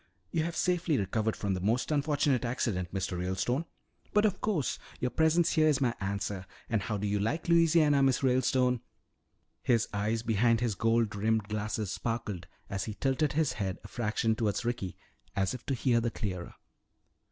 You have safely recovered from that most unfortunate accident, Mr. Ralestone? But of course, your presence here is my answer. And how do you like Louisiana, Miss Ralestone?" His eyes behind his gold rimmed eyeglasses sparkled as he tilted his head a fraction toward Ricky as if to hear the clearer.